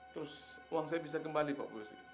terus uang saya bisa kembali pak bos